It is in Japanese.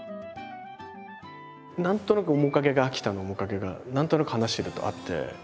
何となく面影が秋田の面影が何となく話してるとあって。